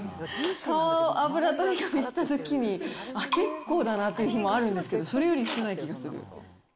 顔の脂取り紙したときに、結構だなっていう日もあるんですけど、それより少ない感じする。